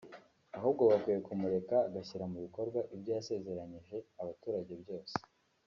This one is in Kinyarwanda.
ahubwo bakwiye kumureka agashyira mu bikorwa ibyo yasezeranyije abaturage byose